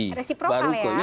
ada si prokal ya